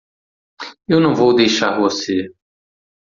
Eu não vou deixar você.